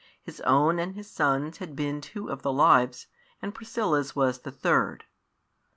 His own and his son's had been two of the lives, and Priscilla's was the third.